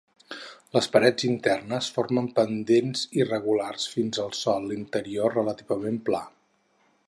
Les parets internes formen pendents irregulars fins al sòl interior relativament pla.